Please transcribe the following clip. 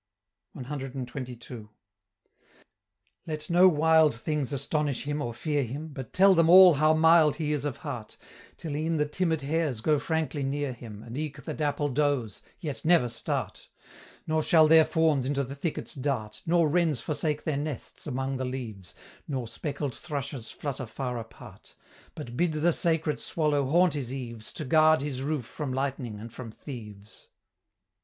CXXII. "Let no wild things astonish him or fear him, But tell them all how mild he is of heart, Till e'en the timid hares go frankly near him, And eke the dappled does, yet never start; Nor shall their fawns into the thickets dart, Nor wrens forsake their nests among the leaves, Nor speckled thrushes flutter far apart; But bid the sacred swallow haunt his eaves, To guard his roof from lightning and from thieves."